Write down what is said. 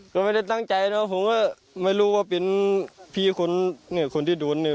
ก็ไม่ได้ตั้งใจนะครับผมก็ไม่รู้ว่าเป็นพี่คนที่ดูน